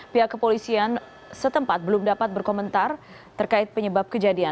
pihak kepolisian setempat belum dapat berkomentar terkait penyebab kejadian